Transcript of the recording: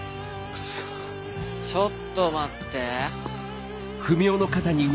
ちょっと待って。